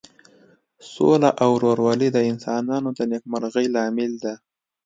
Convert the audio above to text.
سوله او ورورولي د انسانانو د نیکمرغۍ لامل ده.